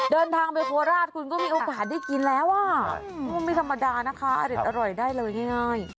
เดินทางไปโคราชคุณก็มีโอกาสได้กินแล้วอ่ะไม่ธรรมดานะคะอเด็ดอร่อยได้เลยง่าย